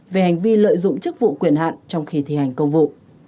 về hành vi lợi dụng chức vụ quyền hạn trong khi thi hành công vụ